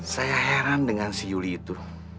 saya heran dengan si yuli itu